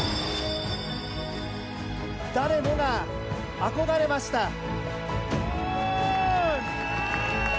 誰もが憧れました。